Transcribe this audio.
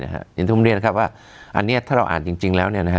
เห็นทุกคนเรียนว่าอันนี้ถ้าเราอ่านจริงแล้ว